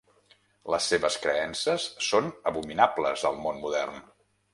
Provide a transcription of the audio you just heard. Les seves creences són abominables al món modern.